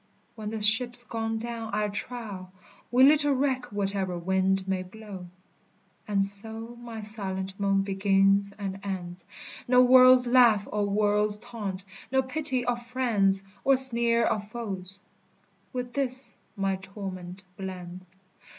When the ship's gone down, I trow, We little reck whatever wind may blow. And so my silent moan begins and ends, No world's laugh or world's taunt, no pity of friends Or sneer of foes, with this my torment blends.